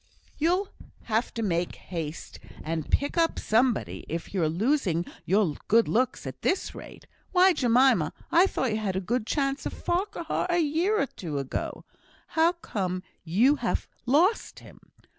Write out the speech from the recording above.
"You'll have to make haste and pick up somebody, if you're losing your good looks at this rate. Why, Jemima, I thought you had a good chance of Farquhar a year or two ago. How come you to have lost him?